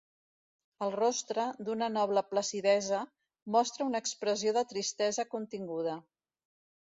El rostre, d'una noble placidesa, mostra una expressió de tristesa continguda.